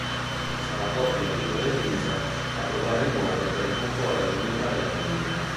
Sarà proprio la piccola Eliza a trovare il modo per ricomporre l'unità della famiglia.